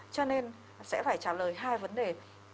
cho nên sẽ phải trả lời hai vấn đề